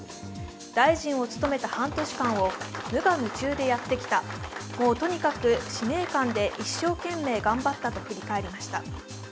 大臣を務めた半年間を無我夢中でやってきた、もうとにかく使命感で一生懸命頑張ったと振り返りました。